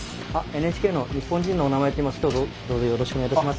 ＮＨＫの「日本人のおなまえ」といいます。